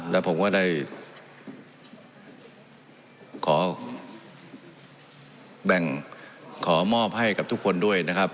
แล้วผมก็ได้ขอแบ่งขอมอบให้กับทุกคนด้วยนะครับ